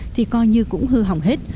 thì coi như cũng hư hỏng hết